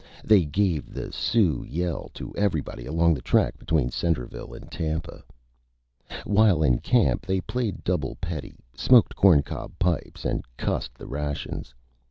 They gave the Sioux Yell to everybody along the Track between Centreville and Tampa. While in Camp they played Double Pedie, smoked Corn Cob Pipes, and cussed the Rations.